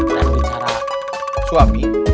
dan bicara suami